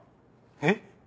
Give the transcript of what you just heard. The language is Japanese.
えっ？